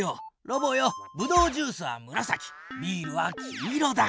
ロボよブドウジュースはむらさきビールは黄色だ！